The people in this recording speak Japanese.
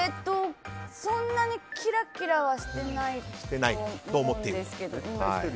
そんなにキラキラはしてないと思うんですけど。